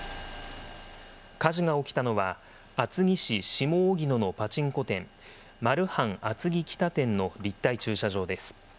火事が起きたのは、厚木市下荻野のパチンコ店、マルハン厚木北店の立体駐車場です。